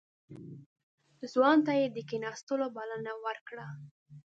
ځوان ته يې د کېناستو بلنه ورکړه.